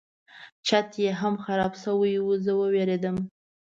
چت یې هم خراب شوی و زه وویرېدم.